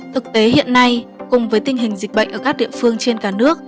thực tế hiện nay cùng với tình hình dịch bệnh ở các địa phương trên cả nước